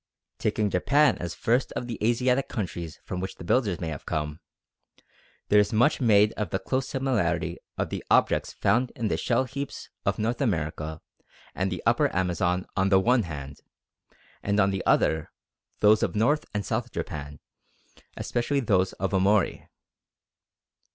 Taking Japan as first of the Asiatic countries from which the builders may have come, there is much made of the close similarity of the objects found in the shell heaps of North America and the upper Amazon on the one hand, and on the other those of North and South Japan, especially those of Omori.